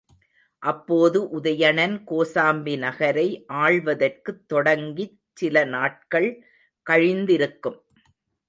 அப்போது உதயணன் கோசாம்பி நகரை ஆள்வதற்குத் தொடங்கிச் சில நாட்கள் கழிந்திருக்கும்.